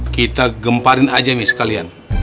kita gemparin aja nih sekalian